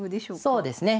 そうですね。